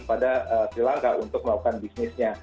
pada silangka untuk melakukan bisnisnya